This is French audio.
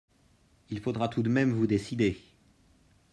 Il faudra tout de même vous décider